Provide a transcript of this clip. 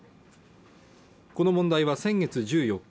この問題は先月１４日